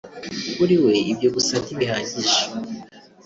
kuri we ibyo gusa ntibihagije